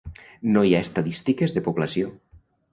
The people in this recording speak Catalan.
No hi ha estadístiques de població.